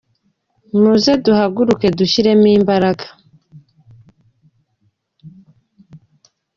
Muze duhaguruke dushyiremo imbaraga